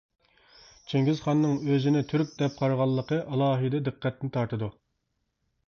چىڭگىزخاننىڭ ئۆزىنى تۈرك دەپ قارىغانلىقى ئالاھىدە دىققەتنى تارتىدۇ.